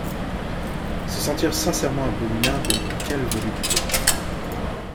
Se sentir sincèrement abominable, quelle volupté!